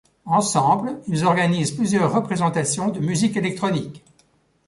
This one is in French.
Ensemble ils organisent plusieurs représentations de musique électronique.